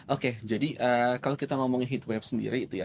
oke jadi kalau kita ngomongin heatwab sendiri itu ya